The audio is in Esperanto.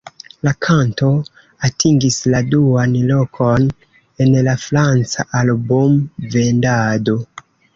La kanto atingis la duan lokon en la franca album-vendado.